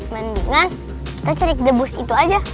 mendingan kita cari debus itu aja